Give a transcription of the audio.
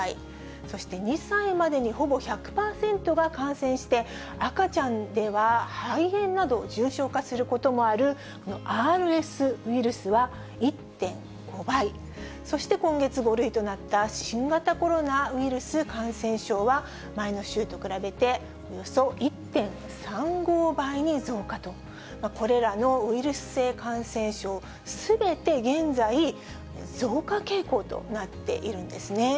そして２歳までにほぼ１００％が感染して、赤ちゃんでは肺炎など重症化することもある、このＲＳウイルスは１．５倍、そして今月、５類となった新型コロナウイルス感染症は、前の週と比べておよそ１．３５倍に増加と、これらのウイルス性感染症、すべて現在、増加傾向となっているんですね。